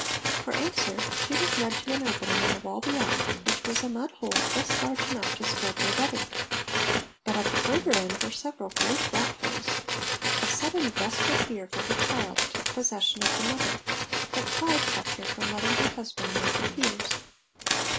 For answer she was led to an opening in the wall beyond which was a mud hole just large enough to spread their bedding, but at the further end were several great rat holes! A sudden desperate fear for her child took possession of the mother, but pride kept her from letting her husband know her fears.